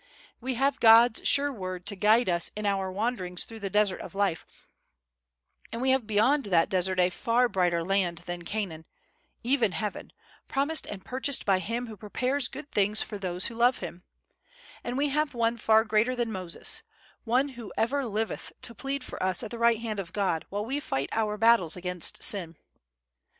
We have God's sure Word to guide us in our wanderings through the desert of life, and we have beyond that desert a far brighter land than Canaan, even heaven, promised and purchased by Him who prepares good things for those who love Him; and we have One far greater than Moses—One who ever liveth to plead for us at the right hand of God while we fight our battles against sin.